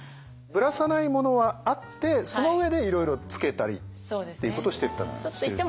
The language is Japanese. ぶらさないものはあってその上でいろいろつけたりっていうことをしていった。